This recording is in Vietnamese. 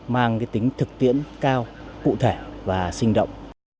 mang tính thực tiễn cao cụ thể và sinh động